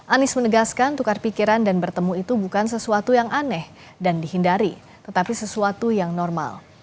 anies menegaskan tukar pikiran dan bertemu itu bukan sesuatu yang aneh dan dihindari tetapi sesuatu yang normal